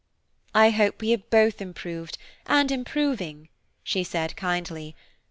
"I hope we are both improved, and improving," she said kindly.